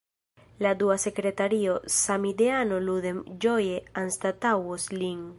La dua sekretario, samideano Ludem ĝoje anstataŭos lin.